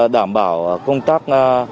đảm bảo công tác